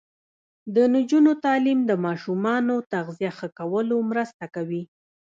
د نجونو تعلیم د ماشومانو تغذیه ښه کولو مرسته کوي.